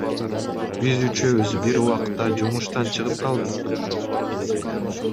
Биз үчөөбүз бир убакта жумуштан чыгып калдык.